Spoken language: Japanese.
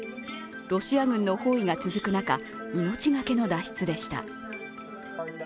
ロシア軍の包囲が続く中、命がけの脱出でした。